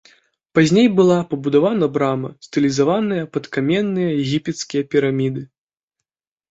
Пазней была пабудавана брама, стылізаваная пад каменныя егіпецкія піраміды.